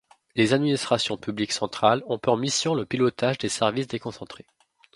Les administrations publiques centrales ont pour mission le pilotage des services déconcentrés.